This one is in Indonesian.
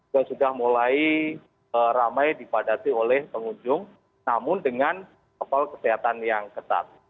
yang sudah mulai ramai dipadati oleh pengunjung namun dengan protokol kesehatan yang ketat